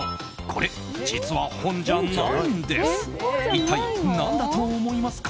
これ、実は本じゃないんです。